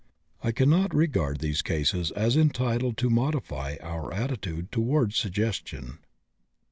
I cannot regard these cases as entitled to modify our attitude toward suggestion.